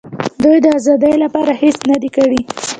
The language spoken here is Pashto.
دوی د آزادۍ لپاره هېڅ نه دي کړي.